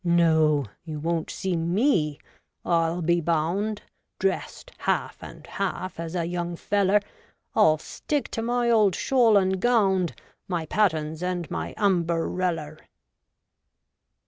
No ; you won't see me, I'll be bound, dressed half and half, as a young feller ; I'll stick to my old shawl and gownd, my pattens, and my umbereller.